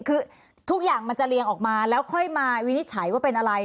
คือทุกอย่างมันจะเรียงออกมาแล้วค่อยมาวินิจฉัยว่าเป็นอะไร